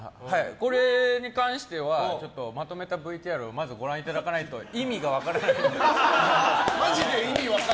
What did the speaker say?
これに関してはまとめたＶＴＲをご覧いただかないと意味が分からないと思います。